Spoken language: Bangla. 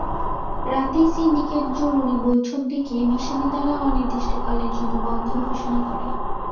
রাতেই সিন্ডিকেট জরুরি বৈঠক ডেকে বিশ্ববিদ্যালয় অনির্দিষ্টকালের জন্য বন্ধ ঘোষণা করে।